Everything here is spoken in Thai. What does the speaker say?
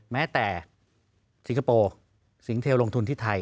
แม้แต่สิงคโปร์สิงเทลลงทุนที่ไทย